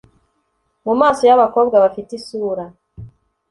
Mu maso yabakobwa bafite isura